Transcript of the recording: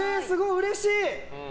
うれしい。